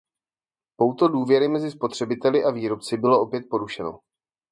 Pouto důvěry mezi spotřebiteli a výrobci bylo opět porušeno.